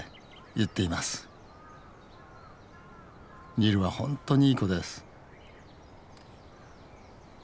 ニルはホントにいい子です